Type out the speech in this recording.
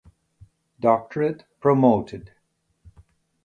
Doctorate promoted.